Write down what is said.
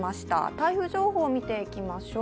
台風情報を見ていきましょう。